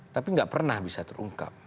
tapi nggak pernah bisa terungkap